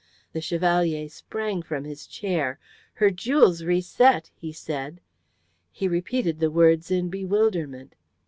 The Chevalier sprang from his chair. "Her jewels reset!" he said. He repeated the words in bewilderment.